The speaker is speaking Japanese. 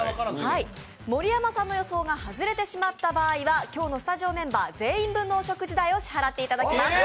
盛山さんの予想が外れてしまった場合は今日のスタジオメンバー、全員分のお食事代を支払っていただきます。